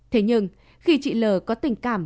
thế nhưng khi chị l có tình cảm